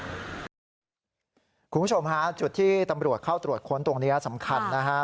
คุณผู้ชมฮะจุดที่ตำรวจเข้าตรวจค้นตรงนี้สำคัญนะฮะ